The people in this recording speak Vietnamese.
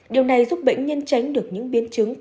điều này giúp bệnh nhân tránh được những biến chứng